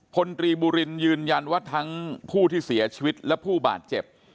พลตรีบุรินยืนยันว่าทั้งผู้ที่เสียชีวิตและผู้บาดเจ็บ